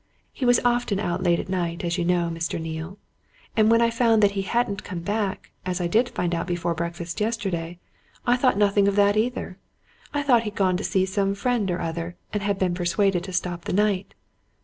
He was often out late at night, as you know, Mr. Neale. And when I found that he hadn't come back, as I did find out before breakfast yesterday, I thought nothing of that either I thought he'd gone to see some friend or other, and had been persuaded to stop the night.